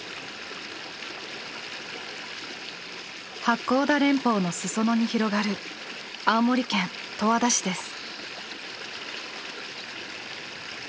八甲田連峰の裾野に広がる青森県十和田市です。